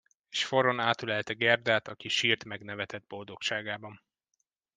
És forrón átölelte Gerdát, aki sírt meg nevetett boldogságában.